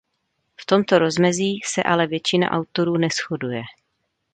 V tomto rozmezí se ale většina autorů neshoduje.